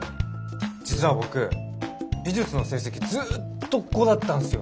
実は僕美術の成績ずっと５だったんすよ。